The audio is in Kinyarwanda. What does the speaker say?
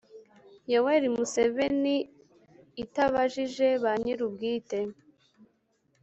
yoweri museveni itabajije ba nyirubwite,